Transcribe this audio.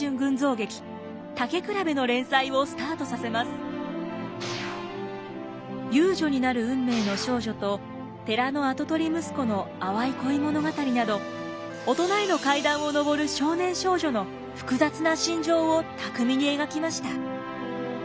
一葉は駄菓子屋での経験をもとに遊女になる運命の少女と寺の跡取り息子の淡い恋物語など大人への階段を上る少年少女の複雑な心情を巧みに描きました。